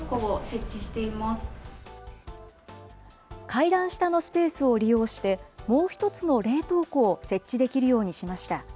階段下のスペースを利用して、もう一つの冷凍庫を設置できるようにしました。